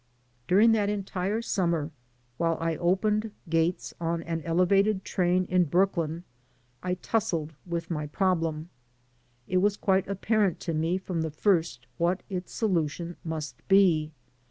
During that entire summer, while I opened gates on an Elevated train in Brooklyn, I tussled with my problem. It was quite apparent to me from the first what its solution must be.